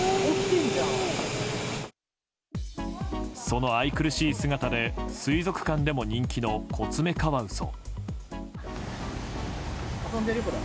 その愛くるしい姿で水族館でも人気のコツメカワウソ。